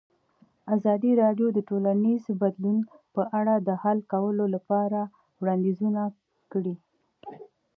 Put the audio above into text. ازادي راډیو د ټولنیز بدلون په اړه د حل کولو لپاره وړاندیزونه کړي.